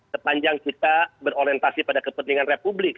sepanjang kita berorientasi pada kepentingan republik